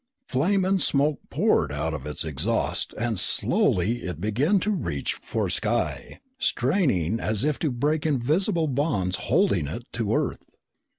Flame and smoke poured out of its exhaust and slowly it began to reach for sky, straining as if to break invisible bonds holding it to Earth.